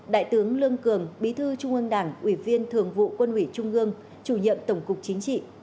đại tướng lương cường bí thư trung ương đảng ủy viên thường vụ quân ủy trung ương chủ nhiệm tổng cục chính trị